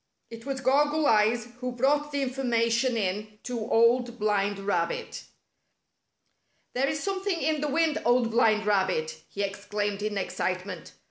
It was Goggle Eyes who brought the information in to Old Blind Rabbit. "There is something in the wind. Old Blind Rabbit! " he exclaimed in excitement.